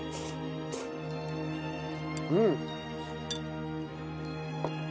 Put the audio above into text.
うん。